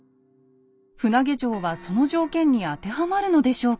船上城はその条件に当てはまるのでしょうか？